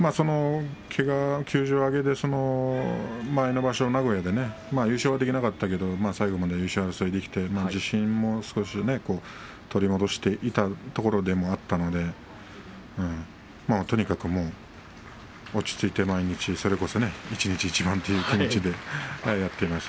休場明けで前の場所、名古屋で優勝はできなかったけど最後まで優勝争いができて自信も少し取り戻していたところでもあったのでとにかく落ち着いて毎日一日一番という気持ちでやっていました。